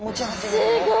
すごい！